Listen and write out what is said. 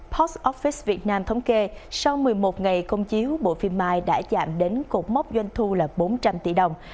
post office việt nam thống kê sau một mươi một ngày công chiếu bộ phim mai đã giảm đến cột mốc doanh thu là bốn trăm linh tỷ đồng